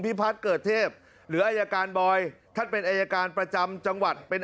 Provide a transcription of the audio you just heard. พัฒน์เกิดเทพหรืออายการบอยท่านเป็นอายการประจำจังหวัดเป็น